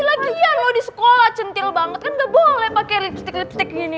lagian lo di sekolah centil banget kan nggak boleh pakai lipstick lipstick gini